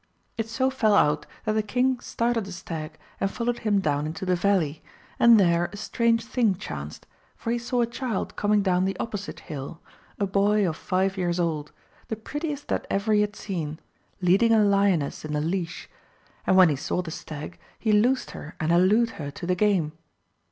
It so fell out that the king started a stag and followed him down into the valley, and there a strange thing chanced, for he saw a child coming down the opposite hill, a boy of five years old, the prettiest that ever he had seen, leading a lioness in a leash, and when he saw the stag he loosed her and hallooed her to the game.